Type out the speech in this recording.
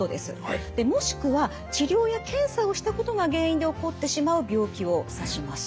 もしくは治療や検査をしたことが原因で起こってしまう病気を指します。